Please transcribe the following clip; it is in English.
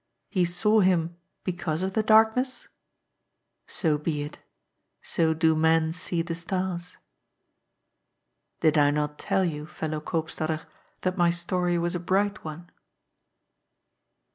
He saw Him because of the darkness ? So be it. So do men see the stars. Did I not tell you, Pellow Koopstader, that my story was a bright one